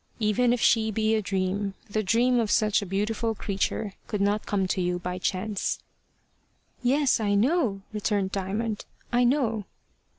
Even if she be a dream, the dream of such a beautiful creature could not come to you by chance." "Yes, I know," returned Diamond; "I know."